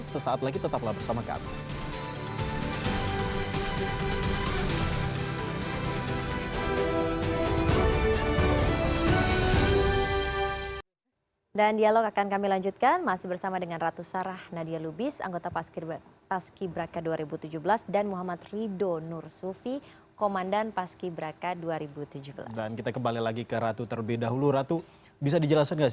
sesaat lagi tetaplah bersama kami